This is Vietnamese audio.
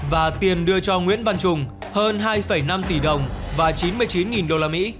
và tiền đưa cho nguyễn văn trùng hơn hai năm tỷ đồng và chín mươi chín usd